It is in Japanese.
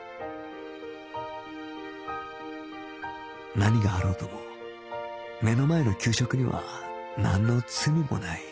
何があろうとも目の前の給食にはなんの罪もない